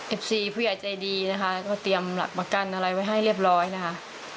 สี่ผู้ใหญ่ใจดีนะคะก็เตรียมหลักประกันอะไรไว้ให้เรียบร้อยนะคะ